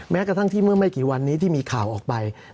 แม้กระทั่งที่เมื่อไม่กี่วันนี้ที่มีข่าวออกไป